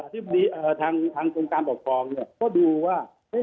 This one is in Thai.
ที่ทางกรมการปกครองเนี่ยก็ดูว่า